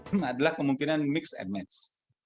ini adalah kemungkinan mix and match